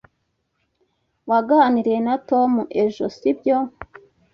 Waganiriye na Tom ejo, sibyo?